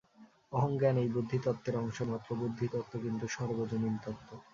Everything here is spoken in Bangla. অহংজ্ঞান এই বুদ্ধিতত্ত্বের অংশ মাত্র, বুদ্ধিতত্ত্ব কিন্তু সর্বজনীন তত্ত্ব।